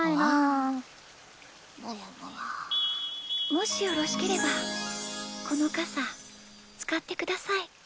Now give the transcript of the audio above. ・もしよろしければこのかさつかってください。